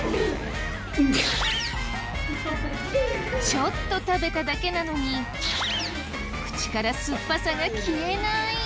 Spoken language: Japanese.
ちょっと食べただけなのに口から酸っぱさが消えない。